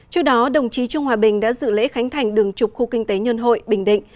trước đó đồng chí trương hòa bình đã dự lễ khánh thành đường trục khu kinh tế nhân hội bình định